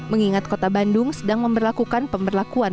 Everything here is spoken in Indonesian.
mengingat kota bandung sedang memperlakukan pemberlakuan